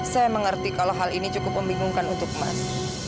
saya mengerti kalau hal ini cukup membingungkan untuk mas